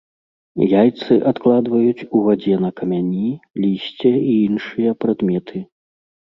Яйцы адкладваюць у вадзе на камяні, лісце і іншыя прадметы.